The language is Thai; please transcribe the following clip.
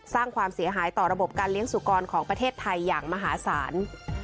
สร้างความเสียหายต่อระบบการเลี้ยงสุกรของประเทศไทยอย่างมหาศาล